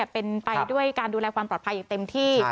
เป็นไปด้วยการดูแลความปลอดภัยอย่างเต็มที่